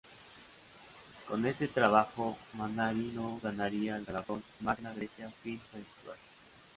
Con este trabajo Mannarino ganaría el galardón "Magna Grecia Film Festival".